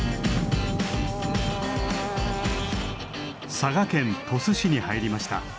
佐賀県鳥栖市に入りました。